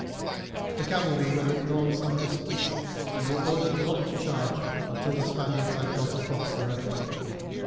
The cavalry were withdrawn some distance, and were ordered not to charge until the Spaniards had got across the river.